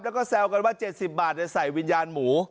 แล้วก็แซวกันว่า๗๐บาทใส่วิญญาณหมู